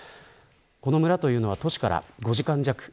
この村というのは都市から５時間弱。